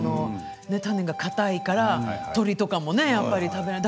種がかたいから鳥とかもね食べられない。